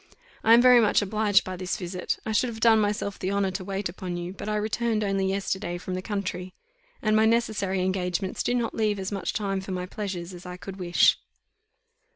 I am very much obliged by this visit; I should have done myself the honour to wait upon you, but I returned only yesterday from the country, and my necessary engagements do not leave as much time for my pleasures as I could wish."